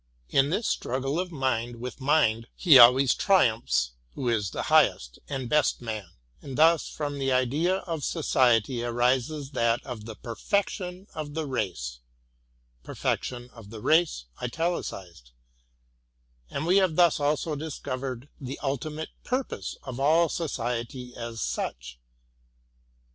In this straggle of mind with mind, he always triumphs who is the highest and best man; — and thus from the idea, of Society arises that of the tion ofih Mid we have thus also discovered the ultimate purpose of all Society as such.